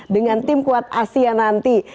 dengan tim kuat asia nanti